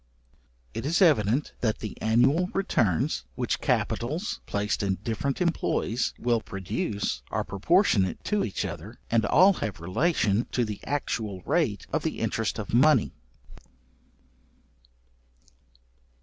It is evident that the annual returns, which capitals, placed in different employs, will produce, are proportionate to each other, and all have relation to the actual rate of the interest of money.